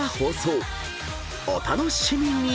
［お楽しみに！］